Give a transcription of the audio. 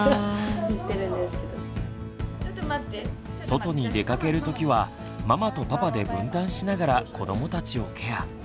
外に出かけるときはママとパパで分担しながら子どもたちをケア。